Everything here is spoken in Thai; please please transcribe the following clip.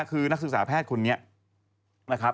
คือนักศึกษาแพทย์คนนี้นะครับ